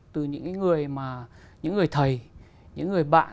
từ những người thầy những người bạn